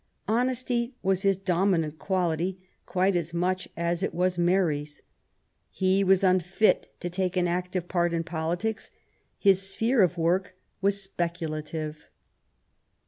Honesty was his dominant quality quite as much as it was Mary's. He was unfit to take an active part in politics ; his sphere of work was speculative.